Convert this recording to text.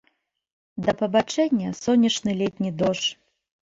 Да пабачэння, сонечны летні дождж!